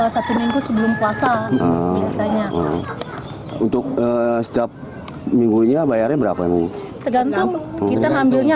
satu minggu sebelum puasa biasanya untuk setiap minggunya bayarnya berapa nih tergantung kita ngambilnya